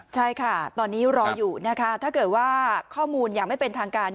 ใช่ค่ะตอนนี้รออยู่นะคะถ้าเกิดว่าข้อมูลอย่างไม่เป็นทางการ